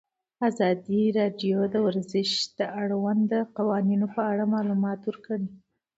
ازادي راډیو د ورزش د اړونده قوانینو په اړه معلومات ورکړي.